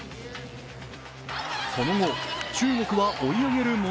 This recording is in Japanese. その後、中国は追い上げる